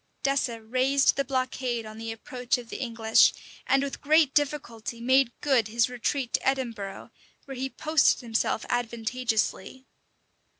[] Dessé raised the blockade on the approach of the English; and with great difficulty made good his retreat to Edinburgh, where he posted himself advantageously.